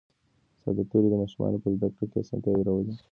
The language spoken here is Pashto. ساده توري د ماشومانو په زده کړه کې اسانتیا راولي